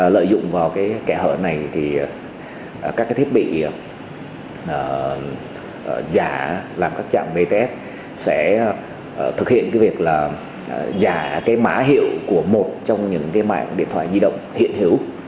lợi dụng vào cái hở này thì các cái thiết bị giả làm các trạm bts sẽ thực hiện cái việc là giả cái má hiệu của một trong những cái mạng điện thoại di động hiện hiểu